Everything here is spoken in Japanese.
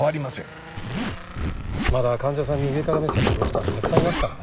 まだ患者さんに上から目線のドクターはたくさんいますからね。